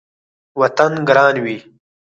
وطن ګران وي